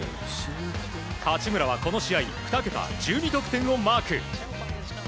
八村は、この試合２桁１２得点をマーク。